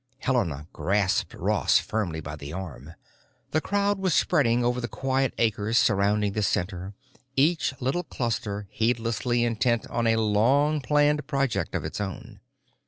Helena grasped Ross firmly by the arm. The crowd was spreading over the quiet acres surrounding the Center, each little cluster heedlessly intent on a long planned project of its own.